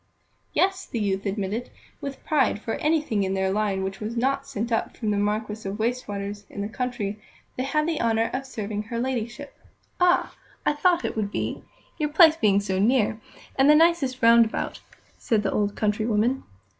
Yes, the youth admitted with pride, for anything in their line which was not sent up from the Marquis of Wastwater's, in the country, they had the honour of serving her Ladyship. "Ah! I thought how it would be, your place being so near, and the nicest round about," said the old country woman.